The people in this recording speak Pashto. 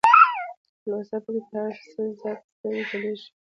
تلوسه پکې تر هر څه زياته تر سترګو ځلېږي